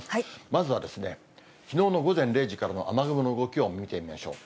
まずは、きのうの午前０時からの雨雲の動きを見てみましょう。